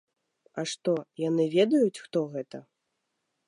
А што, яны ведаюць, хто гэта?